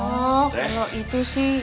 oh kalau itu sih